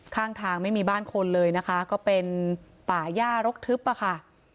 ข้างทางไม่มีบ้านคนเลยนะคะก็เป็นป่าย่ารกทึบอะค่ะ